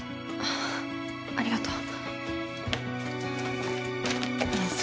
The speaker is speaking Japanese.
ありがとう。